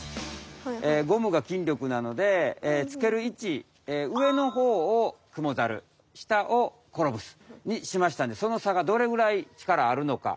えゴムがきんりょくなのでつけるいち上のほうをクモザルしたをコロブスにしましたんでそのさがどれぐらい力あるのか。